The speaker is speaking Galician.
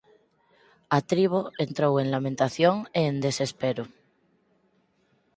A tribo entrou en lamentación e en desespero.